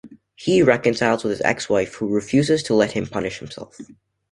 He reconciles with his ex-wife, who refuses to let him punish himself.